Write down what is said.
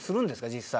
実際。